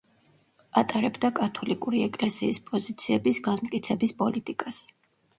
ატარებდა კათოლიკური ეკლესიის პოზიციების განმტკიცების პოლიტიკას.